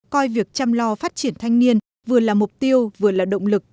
coi việc chăm lo phát triển thanh niên vừa là mục tiêu vừa là động lực